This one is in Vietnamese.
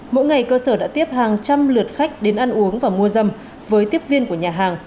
mỗi ngày cơ sở đã tiếp hàng trăm lượt khách đến ăn uống và mua dâm với tiếp viên của nhà hàng